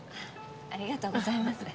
ありがとうございます。